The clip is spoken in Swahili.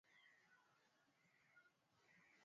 matibabu haya ni ya bei ghali